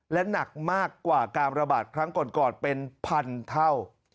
และหนักมากกว่าการระบาดครั้งก่อนเป็นพันเท่า